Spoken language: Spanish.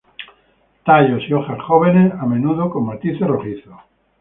Tallos y hojas jóvenes, a menudo con matices rojizos.